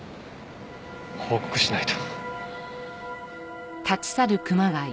報告しないと。